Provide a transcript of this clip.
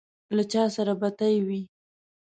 له چا سره بتۍ وې.